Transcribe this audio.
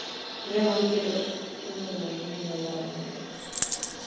Նրա մահից հետո տունը տնօրինում են նրա ժառանգները։